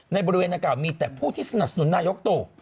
ในบริเวณนางกล่าวมีแต่ผู้ที่สนับสนุนนายกตู่